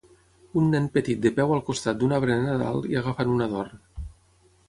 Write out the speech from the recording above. Un nen petit de peu al costat d"un arbre de Nadal i agafant un adorn.